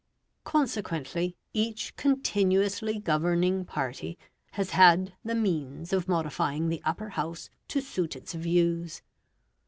Consequently, each continuously governing party has had the means of modifying the Upper House to suit its views.